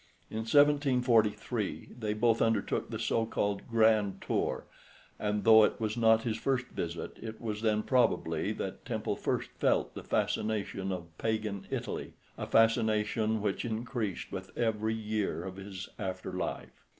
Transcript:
In 1743 they both undertook the so called "grand tour," and though it was not his first visit, it was then probably that Temple first felt the fascination of pagan Italy, a fascination which increased with every year of his after life.